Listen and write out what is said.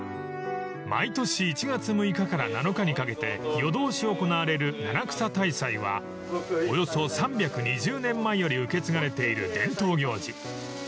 ［毎年１月６日から７日にかけて夜通し行われる七草大祭はおよそ３２０年前より受け継がれている伝統行事］